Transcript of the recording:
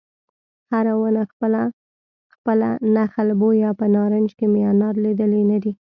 هره ونه خپله خپله نخل بویه په نارنج کې مې انار لیدلی نه دی